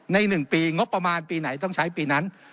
๑ปีงบประมาณปีไหนต้องใช้ปีนั้น